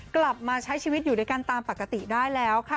กลับมาใช้ชีวิตอยู่ด้วยกันตามปกติได้แล้วค่ะ